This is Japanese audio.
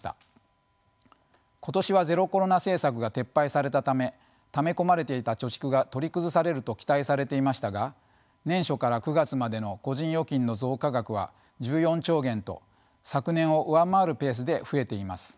今年はゼロコロナ政策が撤廃されたためため込まれていた貯蓄が取り崩されると期待されていましたが年初から９月までの個人預金の増加額は１４兆元と昨年を上回るペースで増えています。